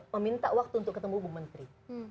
meminta waktu untuk ketemu bu menteri